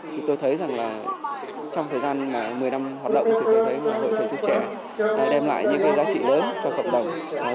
thì tôi thấy rằng là trong thời gian mà một mươi năm hoạt động thì tôi thấy hội thầy thuốc trẻ đem lại những cái giá trị lớn cho cộng đồng